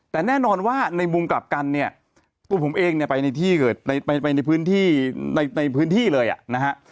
แต่แน่นอนว่าในมุมกลับกันเนี่ยตัวผมเองเนี่ยไปในพื้นที่ในพื้นที่เลยอ่ะนะฮะ